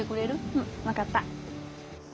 うん分かった。